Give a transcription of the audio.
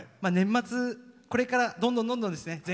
年末これからどんどんどんどんですね